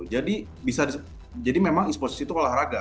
jadi memang esports itu olahraga